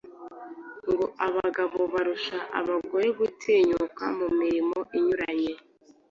Ngo abagabo barusha abagore gutinyuka mu mirimo inyuranye.